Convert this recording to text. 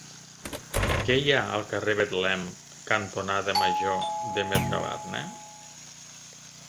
Què hi ha al carrer Betlem cantonada Major de Mercabarna?